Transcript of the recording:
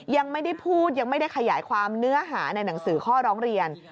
ยังไม่ได้พูดยังไม่ได้ขยายความเนื้อหาในหนังสือข้อร้องเรียน